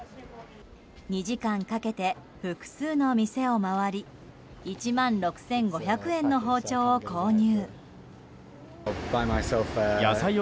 ２時間かけて複数の店を回り１万６５００円の包丁を購入。